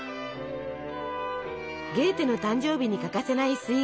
ゲーテの誕生日に欠かせないスイーツ